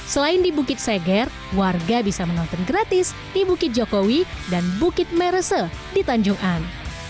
selain di bukit seger warga bisa menonton gratis di bukit jokowi dan bukit merese di tanjung an